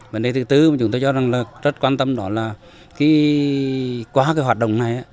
và đây thứ tư chúng tôi cho rằng là rất quan tâm đó là qua cái hoạt động này